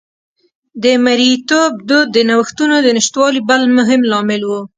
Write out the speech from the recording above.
د مریتوب دود د نوښتونو د نشتوالي بل مهم لامل و